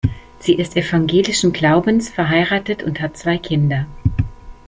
Sie ist evangelischen Glaubens, verheiratet und hat zwei Kinder.